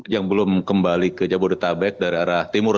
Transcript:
yang belum kembali ke jabodetabek dari arah timur